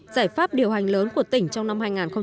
giải pháp điều hành lớn của tỉnh trong năm hai nghìn một mươi bảy